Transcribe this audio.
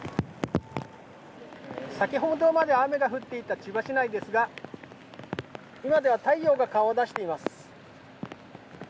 先ほどまで雨が降っていた千葉市内ですが今では太陽が顔を出しています。